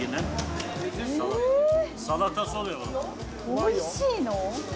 おいしいの？